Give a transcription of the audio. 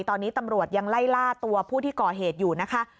ตอนนี้ตำรวจยังไล่ล่าตัวผู้ที่ก่อเหตุอยู่นะคะ